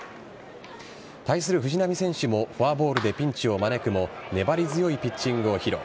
対する藤浪選手もフォアボールでピンチを招くも粘り強いピッチングを披露。